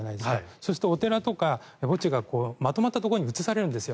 そうするとお寺とか墓地がまとまったところに移されるんです。